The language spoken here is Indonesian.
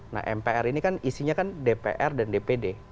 nah mpr ini kan isinya kan dpr dan dpd